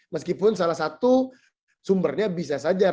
meskipun salah satu sumbernya bisa saja